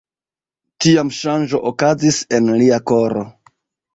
Tiam ŝanĝo okazis en lia koro.